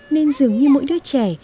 nên dường như mỗi đứa trẻ